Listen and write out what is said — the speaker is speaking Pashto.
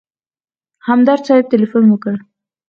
همدرد صاحب تیلفون وکړ.